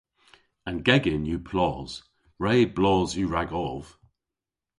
An gegin yw plos. Re blos yw ragov.